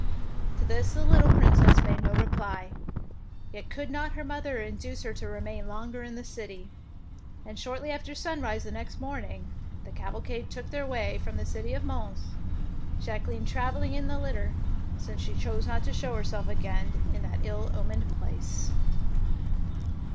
To this the little Princess made no could not her mother induce her to remain longer in the city; and shortly after sunrise the next morning, the cavalcade took their way from the city of Mons, Jacqueline travelling in a litter, since she chose not to show herself again in that ill omened place.